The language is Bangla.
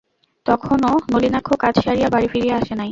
তখনো নলিনাক্ষ কাজ সারিয়া বাড়ি ফিরিয়া আসে নাই।